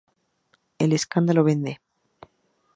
El escándalo vende"".